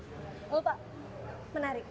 loh pak menarik